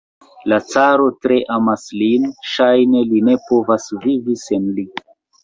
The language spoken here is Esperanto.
La caro tre amas lin, ŝajne li ne povas vivi sen li.